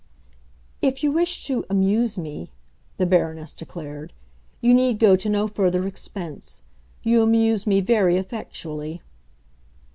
"If you wish to 'amuse' me," the Baroness declared, "you need go to no further expense. You amuse me very effectually."